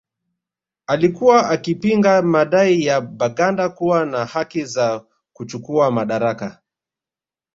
Alikuwa akipinga madai ya Baganda kuwa na haki za kuchukuwa madaraka